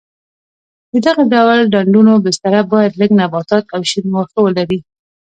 د دغه ډول ډنډونو بستره باید لږ نباتات او شین واښه ولري.